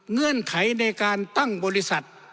เงื่อนไขในการตั้งบริษัท